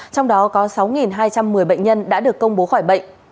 trong đó có sáu hai trăm một mươi bệnh nhân đã được công bố khỏi bệnh